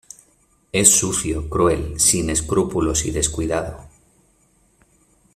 Es sucio, cruel, sin escrúpulos y descuidado.